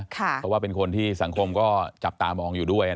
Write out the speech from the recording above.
เพราะว่าเป็นคนที่สังคมก็จับตามองอยู่ด้วย